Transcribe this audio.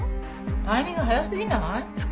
タイミング早すぎない？